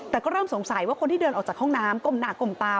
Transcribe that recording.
แต่ก็เริ่มสงสัยว่าคนที่เดินออกจากห้องน้ำก้มหน้าก้มตา